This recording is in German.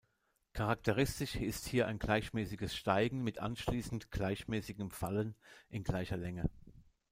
Charakteristisch ist hier ein gleichmäßiges Steigen mit anschließend gleichmäßigem Fallen in gleicher Länge.